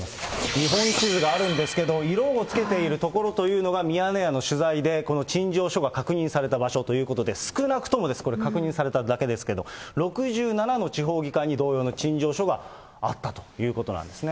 日本地図があるんですけど、色をつけている所というのが、ミヤネ屋の取材でこの陳情書が確認された場所ということで、少なくともこれ、確認されただけですけど、６７の地方議会に同様の陳情書があったということなんですね。